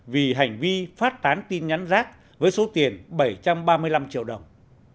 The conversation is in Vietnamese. vì hành vi phát tán tin nhắn rác với số tiền bảy trăm ba mươi năm triệu đồng